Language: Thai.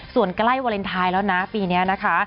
ส่วนใกล้วาเลนไทยแล้วนะปีนี้นะคะ